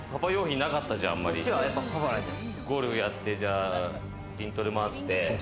ゴルフやって筋トレもあって。